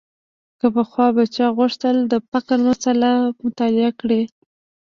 که پخوا به چا غوښتل د فقر مسأله مطالعه کړي.